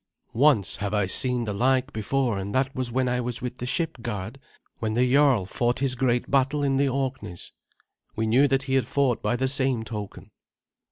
Once have I seen the like before, and that was when I was with the ship guard when the jarl fought his great battle in the Orkneys; we knew that he had fought by the same token."